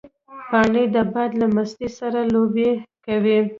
پاڼې د باد له مستۍ سره لوبې کوي